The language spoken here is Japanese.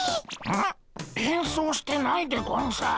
ん？変装してないでゴンス。